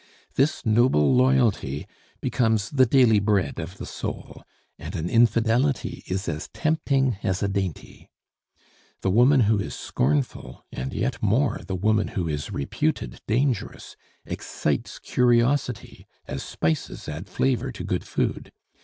This noble loyalty becomes the daily bread of the soul, and an infidelity is as tempting as a dainty. The woman who is scornful, and yet more the woman who is reputed dangerous, excites curiosity, as spices add flavor to good food.